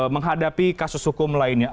menghadapi kasus hukum lainnya